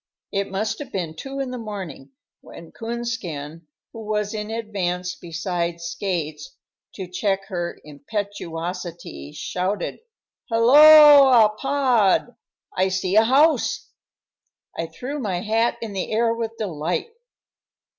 It must have been two in the morning when Coonskin, who was in advance beside Skates to check her impetuosity, shouted, "Helloa, Pod, I see a house!" I threw my hat in the air with delight.